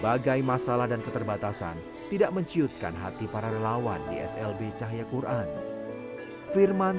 bagai masalah dan keterbatasan tidak menciutkan hati para relawan di slb cahaya quran firman